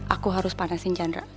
aku harus panasin chandra